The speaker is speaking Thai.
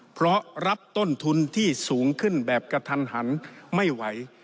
เพราะรับต้นทุนที่สูงขึ้นแบบกระทันหันไม่ไหว